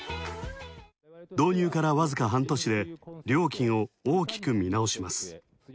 導入からわずか半年で料金を大きく見直します。